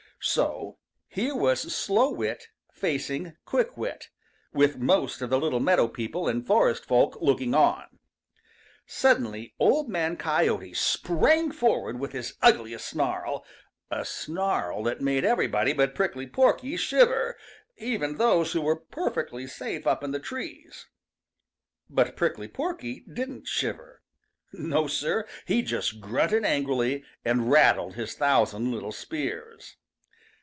So here was Slow Wit facing Quick Wit, with most of the little meadow people and forest folk looking on. Suddenly Old Man Coyote sprang forward with his ugliest snarl, a snarl that made everybody but Prickly Porky shiver, even those who were perfectly safe up in the trees. But Prickly Porky didn't shiver. No, Sir, he just grunted angrily and rattled this thousand little spears.